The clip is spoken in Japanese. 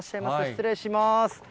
失礼します。